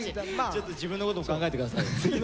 ちょっと自分のことも考えて下さいよ。